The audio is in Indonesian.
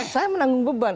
saya menanggung beban